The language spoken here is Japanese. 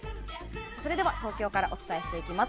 それでは東京からお伝えしていきます。